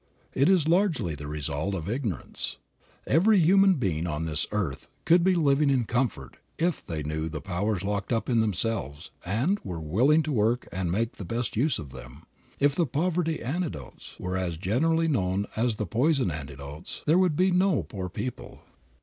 It is largely the result of ignorance. Every human being on this earth could be living in comfort if they knew the powers locked up in themselves and were willing to work and make the best use of them. If the poverty antidotes were as generally known as are the poison antidotes there would be no poor people.